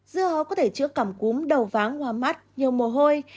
dưa hấu có thể chữa cảm cúm đầu váng hoa mắt nhiều mồ hôi